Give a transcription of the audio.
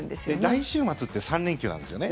来週末って３連休なんですよね。